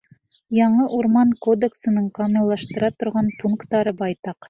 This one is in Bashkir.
Яңы Урман кодексының камиллаштыра торған пункттары байтаҡ.